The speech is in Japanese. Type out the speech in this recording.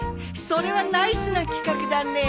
それはナイスな企画だね！